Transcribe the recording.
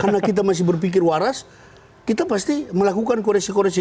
karena kita masih berpikir waras kita pasti melakukan koreksi koreksi